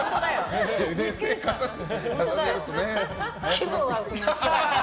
気分悪くなっちゃう。